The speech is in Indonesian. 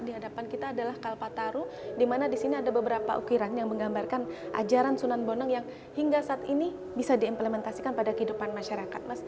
di hadapan kita adalah kalpataru dimana di sini ada beberapa ukiran yang menggambarkan ajaran sunan bonang yang hingga saat ini bisa diimplementasikan pada kehidupan masyarakat